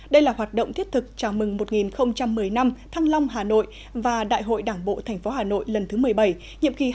đây là hoạt động thiết thực chào mừng một nghìn một mươi năm thăng long hà nội và đại hội đảng bộ tp hà nội lần thứ một mươi bảy nhiệm kỳ hai nghìn hai mươi hai nghìn hai mươi năm